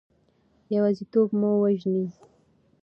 یوازیتوب مو وژني.